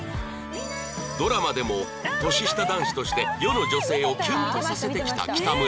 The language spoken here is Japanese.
ドラマでも年下男子として世の女性をキュンとさせてきた北村さん